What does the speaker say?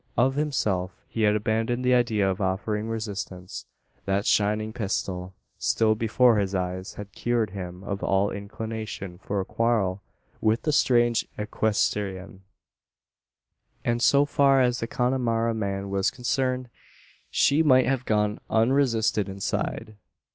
Of himself, he had abandoned the idea of offering resistance. That shining pistol, still before his eyes, had cured him of all inclination for a quarrel with the strange equestrian; and so far as the Connemara man was concerned, she might have gone unresisted inside.